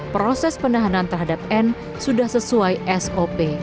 proses penahanan terhadap n sudah sesuai sop